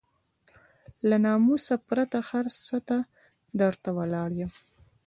له ناموسه پرته هر څه ته درته ولاړ يم.